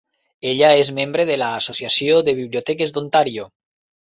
Ella és membre de l'Associació de biblioteques d'Ontàrio.